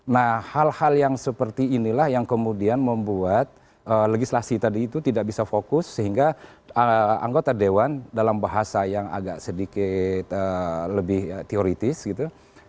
nah hal hal yang seperti inilah yang kemudian membuat legislasi tadi itu tidak bisa fokus sehingga anggota dewan dalam bahasa yang agak sedikit lebih teoritis gitu